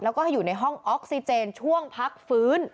แล้วช่วยเลยในห้องออกซิเจนช่วงพักษ์ฟื้น